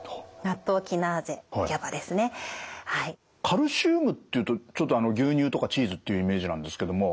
カルシウムっていうとちょっと牛乳とかチーズっていうイメージなんですけども。